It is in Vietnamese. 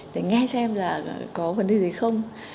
để nghe xem là có vấn đề gì không